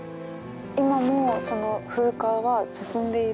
今もその風化は進んでいる？